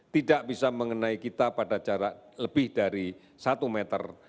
tidak bisa mengenai kita pada jarak lebih dari satu meter